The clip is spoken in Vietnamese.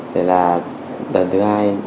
đây là lần thứ hai